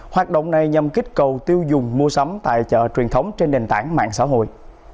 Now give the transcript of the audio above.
hoạt động này nhằm kích cầu tiêu dùng mua sắm tài trợ truyền thống trên nền tảng mạng xã hội